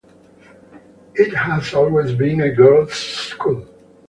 It has always been a girls' school.